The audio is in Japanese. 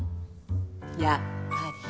やっぱり。